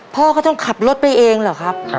พ่อก็ต้องขับรถไปเองเหรอครับ